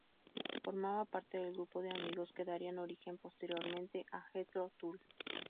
Formaba parte del grupo de amigos que darían origen, posteriormente, a Jethro Tull.